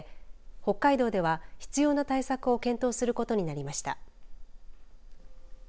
北海道では必要な対策を検討することになりました。